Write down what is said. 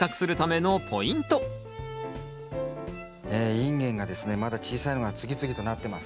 ここでインゲンがですねまだ小さいのが次々となってます。